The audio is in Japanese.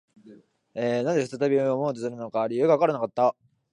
何故再び飲まれようとするのか、理由がわからなかった